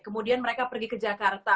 kemudian mereka pergi ke jakarta